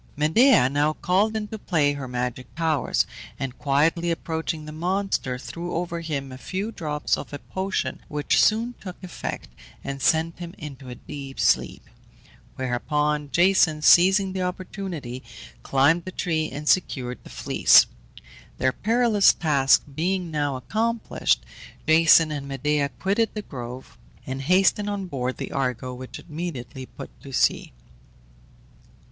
Medea now called into play her magic powers, and quietly approaching the monster, threw over him a few drops of a potion, which soon took effect, and sent him into a deep sleep; whereupon Jason, seizing the opportunity, climbed the tree and secured the Fleece. Their perilous task being now accomplished, Jason and Medea quitted the grove, and hastened on board the Argo, which immediately put to sea.